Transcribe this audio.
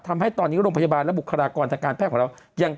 ทำให้ตอนนี้โรงพยาบาลและบุคลากรทางการแพทย์ของเรายัง